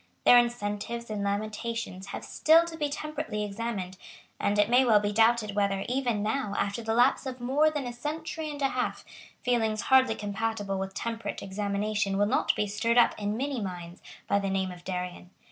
Their invectives and lamentations have still to be temperately examined; and it may well be doubted whether, even now, after the lapse of more than a century and a half, feelings hardly compatible with temperate examination will not be stirred up in many minds by the name of Darien.